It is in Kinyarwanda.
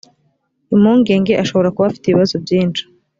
impungenge ashobora kuba afite ibibazo byinshi